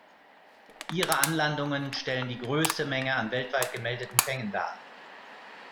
Ihre Anlandungen stellen die größte Menge an weltweit gemeldeten Fängen dar.